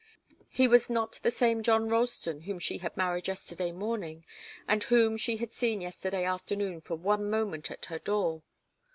He was not the same John Ralston whom she had married yesterday morning, and whom she had seen yesterday afternoon for one moment at her door.